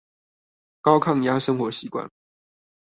高抗壓生活習慣